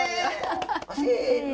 せの。